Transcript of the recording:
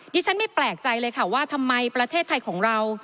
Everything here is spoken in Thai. ที่ฉันไม่แปลกใจเลยค่ะว่าทำไมประเทศไทยของเรา